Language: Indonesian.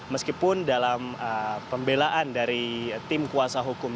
meskipun dalam pembelaan dari tim kuasa hukum